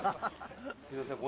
すいません